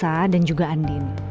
sama elsa dan juga andin